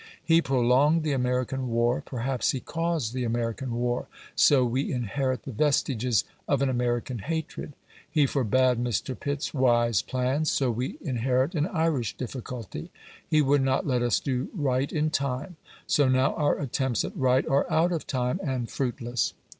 He prolonged the American War, perhaps he caused the American War, so we inherit the vestiges of an American hatred; he forbade Mr. Pitt's wise plans, so we inherit an Irish difficulty. He would not let us do right in time, so now our attempts at right are out of time and fruitless.